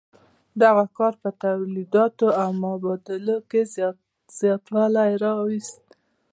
دغه کار په تولیداتو او مبادلو کې زیاتوالی راوست.